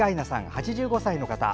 ８５歳の方。